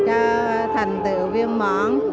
cho thành tựu viên mọn